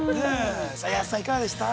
安さん、いかがでしたか。